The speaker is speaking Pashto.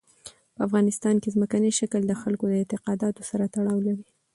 په افغانستان کې ځمکنی شکل د خلکو د اعتقاداتو سره تړاو لري.